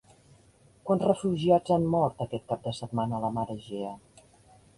Quants refugiats han mort aquest cap de setmana a la mar Egea?